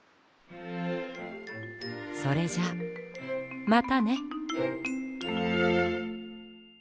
それじゃあまたね。